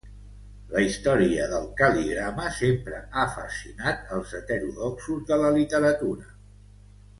La història del cal·ligrama sempre ha fascinat els heterodoxos de la literatura.